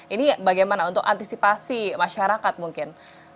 ini bagaimana untuk antisipasi masyarakat mungkin